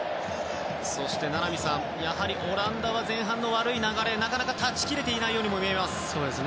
そして、名波さんオランダは前半の悪い流れをなかなか断ち切れていないように見えます。